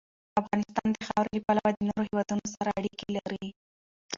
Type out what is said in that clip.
افغانستان د خاورې له پلوه له نورو هېوادونو سره اړیکې لري.